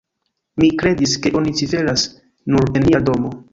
Mi kredis, ke oni ciferas nur en nia domo.